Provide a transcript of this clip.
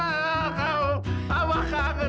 abah kangen sama kamu